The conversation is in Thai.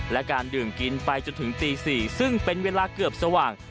และการดื่มกินไปจนถึงตี๔ซึ่งเป็นเวลาเกือบสว่าง